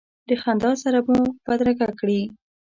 د خندا سره به مو بدرګه کړې.